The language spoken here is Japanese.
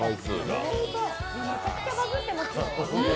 めちゃくちゃバズってますよ。